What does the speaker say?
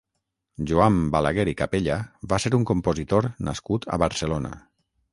Joan Balaguer i Capella va ser un compositor nascut a Barcelona.